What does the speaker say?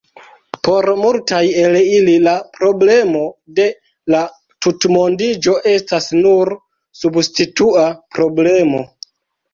Por multaj el ili la problemo de la tutmondiĝo estas nur substitua problemo.